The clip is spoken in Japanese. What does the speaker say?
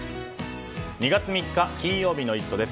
２月３日金曜日の「イット！」です。